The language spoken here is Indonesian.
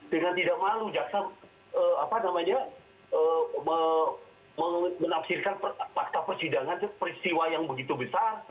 dengan tidak malu jaksa menafsirkan fakta persidangan peristiwa yang begitu besar